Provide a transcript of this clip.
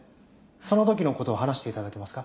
そのときのことを話していただけますか。